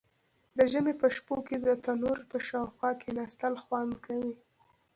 د ژمي په شپو کې د تندور په شاوخوا کیناستل خوند کوي.